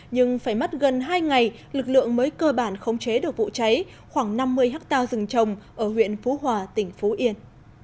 nhưng phải mất gần hai ngày lực lượng mới cơ bản khống chế được vụ cháy khoảng năm mươi hectare rừng trồng ở huyện phú hòa tỉnh phú yên